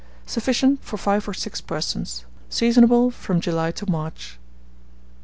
Sufficient for 5 or 6 persons. Seasonable from July to March.